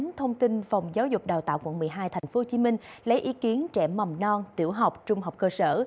thông tin phòng giáo dục đào tạo quận một mươi hai tp hcm lấy ý kiến trẻ mầm non tiểu học trung học cơ sở